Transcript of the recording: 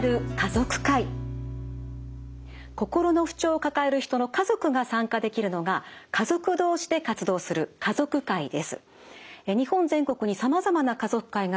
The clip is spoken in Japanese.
心の不調を抱える人の家族が参加できるのが家族同士で活動する家族会です。